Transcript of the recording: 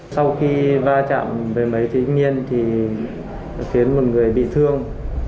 sau khi va chạm với mấy thanh niên thì khiến một người bị thương